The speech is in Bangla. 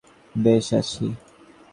নক্ষত্ররায় কহিলেন, আমি এখানে বেশ আছি।